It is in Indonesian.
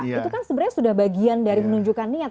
itu kan sebenarnya sudah bagian dari menunjukkan niat